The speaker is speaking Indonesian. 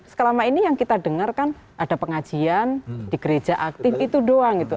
selama ini yang kita dengar kan ada pengajian di gereja aktif itu doang gitu